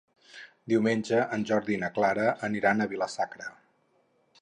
Diumenge en Jordi i na Clara aniran a Vila-sacra.